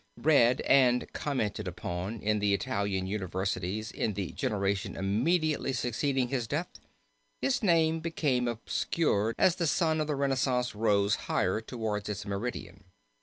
Read and commented upon in the Italian universities in the generation immediately succeeding his death, his name bcame obscured as the sun of the Renaissance rose higher towards its meridian.